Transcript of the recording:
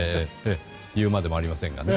言うまでもありませんが。